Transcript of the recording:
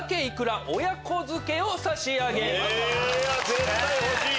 絶対欲しい！